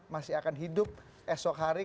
masih akan hidup esok hari